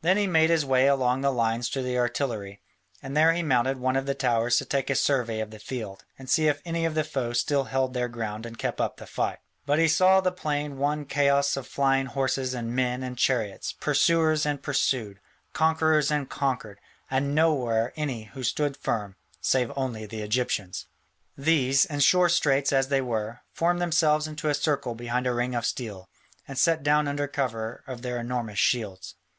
Then he made his way along the lines to the artillery, and there he mounted one of the towers to take a survey of the field, and see if any of the foe still held their ground and kept up the fight. But he saw the plain one chaos of flying horses and men and chariots, pursuers and pursued, conquerors and conquered, and nowhere any who still stood firm, save only the Egyptians. These, in sore straits as they were, formed themselves into a circle behind a ring of steel, and sat down under cover of their enormous shields.